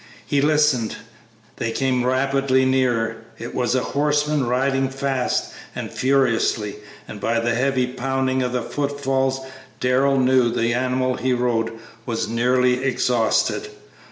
He listened; they came rapidly nearer; it was a horseman riding fast and furiously, and by the heavy pounding of the foot falls Darrell knew the animal he rode was nearly exhausted.